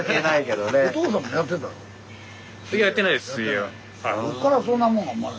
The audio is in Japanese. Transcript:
どっからそんなもんが生まれ。